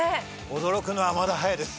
驚くのはまだ早いです。